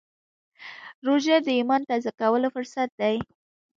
روژه د ایمان تازه کولو فرصت دی.